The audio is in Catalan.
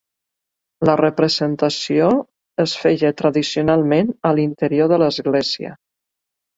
La representació es feia tradicionalment a l'interior de l'església.